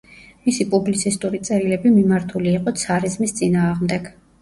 მისი პუბლიცისტური წერილები მიმართული იყო ცარიზმის წინააღმდეგ.